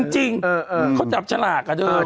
จริงเขาจับฉลากอะเดิน